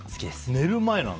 寝る前なの？